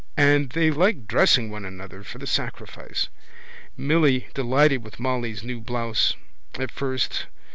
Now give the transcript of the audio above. And they like dressing one another for the sacrifice. Milly delighted with Molly's new blouse. At first.